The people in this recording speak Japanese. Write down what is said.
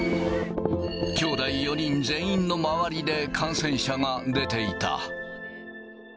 きょうだい４人全員の周りで感染者が出ていた。